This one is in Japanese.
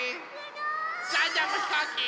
ジャンジャンもひこうき！